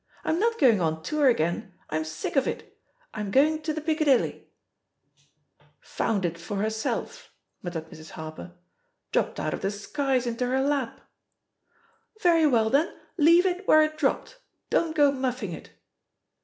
I'm not going on tour again — ^I'm sick of it I I'm going to the Piccadilly/' " Tound it for herselfl" muttered Mrs. Hap £er. "Dropped out of the skies into her lap V* Very well, then, leave it where it dropped— » don't go mufEbg it."